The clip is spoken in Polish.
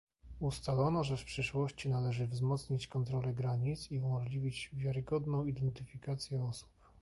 Ustalono, że w przyszłości należy wzmocnić kontrole granic i umożliwić wiarygodną identyfikację osób